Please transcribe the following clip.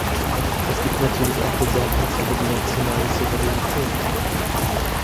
Es gibt natürlich auch Besorgnisse über die nationale Souveränität.